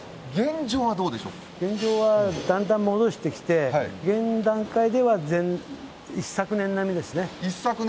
現状はだんだん戻してきて、現段階では、一昨年並みですね。